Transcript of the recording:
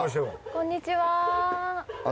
こんにちは。